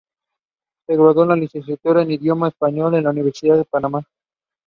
Se graduó de licenciada en idioma español en la Universidad de Panamá.